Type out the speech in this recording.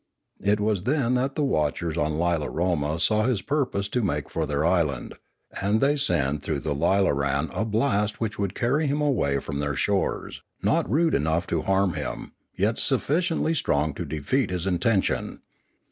It was then that the watchers on Lilaroma saw his purpose to make for their island, and they sent through the lilarau a blast which would carry him away from their shores, not rude enough to harm him, yet sufficiently strong to defeat his inten tion.